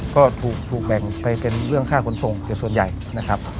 ก็ถูกแบ่งไปเป็นเรื่องค่าขนส่งเสียส่วนใหญ่นะครับ